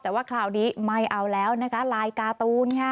แต่ว่าคราวนี้ไม่เอาแล้วนะคะลายการ์ตูนค่ะ